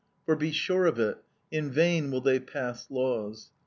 For, be sure of it, in vain will they pass laws.